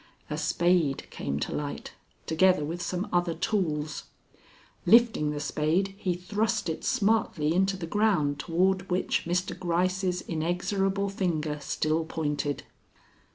A spade came to light, together with some other tools. Lifting the spade, he thrust it smartly into the ground toward which Mr. Gryce's inexorable finger still pointed.